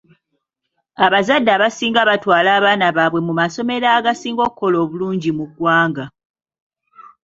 Abazadde abasinga batwala abaana baabwe mu masomero agasinga okukola obulungi mu ggwanga.